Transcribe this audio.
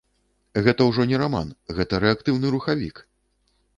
Гэта ўжо не раман, гэта рэактыўны рухавік!